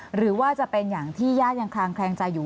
หรือว่าจะเป็นอย่างที่ญาติยังคลางแคลงใจอยู่